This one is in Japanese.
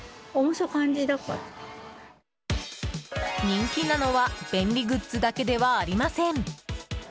人気なのは便利グッズだけではありません。